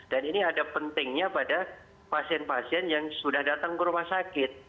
dan ini ada pentingnya pada pasien pasien yang sudah datang ke rumah sakit